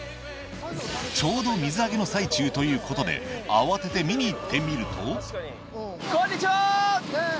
ちょうど水揚げの最中ということで慌てて見に行ってみるとこんにちは